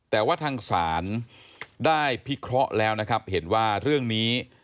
แต่ว่าทางศาลได้พิเคราะห์แล้วนะครับเห็นว่าเรื่องนี้